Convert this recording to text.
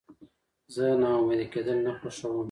زه ناامیده کېدل نه خوښوم.